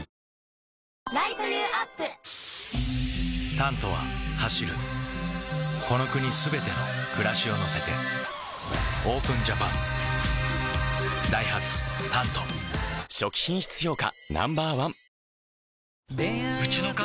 「タント」は走るこの国すべての暮らしを乗せてＯＰＥＮＪＡＰＡＮダイハツ「タント」初期品質評価